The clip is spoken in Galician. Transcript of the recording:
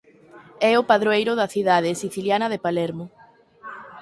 É o padroeiro da cidade siciliana de Palermo.